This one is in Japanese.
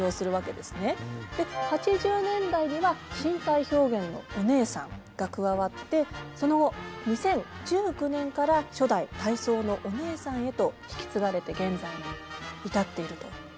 で８０年代には身体表現のお姉さんが加わってその後２０１９年から初代体操のお姉さんへと引き継がれて現在まで至っているということなんですが。